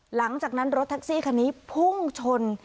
หลังจากนั้นรถแท็กซี่คันนี้พุ่งชน